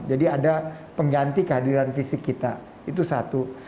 jadi ada pengganti kehadiran fisik kita itu satu